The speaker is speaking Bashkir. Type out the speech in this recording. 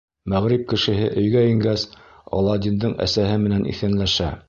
Мәғриб кешеһе өйгә ингәс, Аладдиндың әсәһе менән иҫәнләшә: